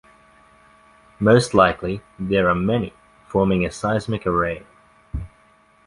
Most likely, there are many, forming a seismic array.